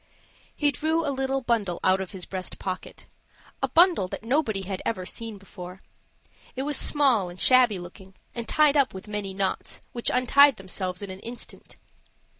He drew a little bundle out of his breast pocket a bundle that nobody had ever seen before. It was small and shabby looking, and tied up with many knots, which untied themselves in an instant.